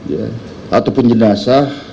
ya ataupun jenazah